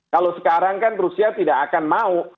kalau sekarang kan rusia tidak akan mau